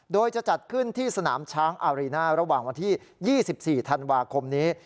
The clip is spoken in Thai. โดยจะจัดขึ้นที่สนามช้างอารีน่าระหว่างวันที่๒๔ธันวาคมนี้